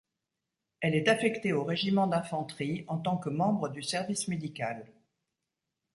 Elle est affectée au régiment d'infanterie en tant que membre du service médical.